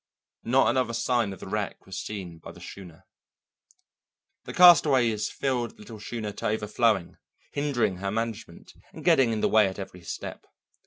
Not another sign of the wreck was seen by the schooner. The castaways filled the little schooner to overflowing, hindering her management, and getting in the way at every step.